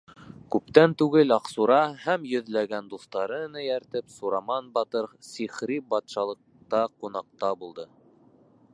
Күптән түгел Аҡсура һәм йөҙләгән дуҫтарын эйәртеп Сураман батыр сихри батшалыҡта ҡунаҡта булды.